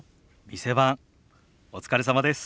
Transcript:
店番お疲れさまです。